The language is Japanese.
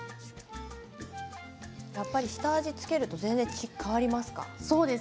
やっぱり下味を付けると変わりますか。